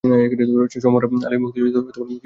স ম বাবর আলী মুক্তিযুদ্ধা ও মুক্তিযুদ্ধের সংগঠক ছিলেন।